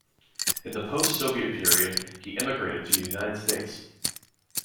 In the post-Soviet period he emigrated to the United States.